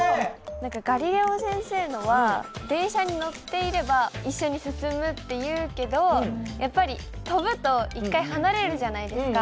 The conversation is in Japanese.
何かガリレオ先生のは電車に乗っていれば一緒に進むっていうけどやっぱり跳ぶと１回離れるじゃないですか。